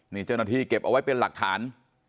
นี่เจ้าหน้าที่เก็บเอาไว้เป็นหลักฐาน